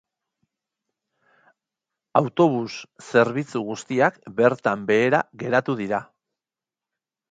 Autobus zerbitzu guztiak bertan behera geratu dira.